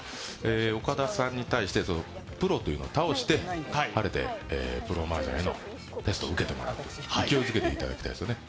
岡田さんに対して、プロというのを倒して晴れてプロマージャンへのテストを受けていただく、勢いづけていただきたいですね。